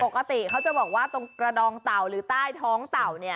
ปกติเขาจะบอกว่าตรงกระดองเต่าหรือใต้ท้องเต่าเนี่ย